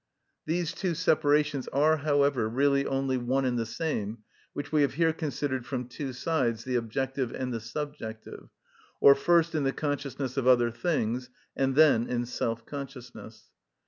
These two separations are, however, really only one and the same, which we have here considered from two sides, the objective and the subjective, or first in the consciousness of other things and then in self‐consciousness.